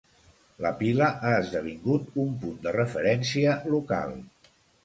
La pila ha esdevingut un punt de referència local.